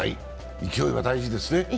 勢いは大事ですね。